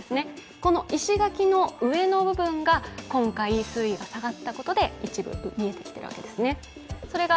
この石垣の上の部分が今回、水位が下がったことで一部見えてきているわけですね。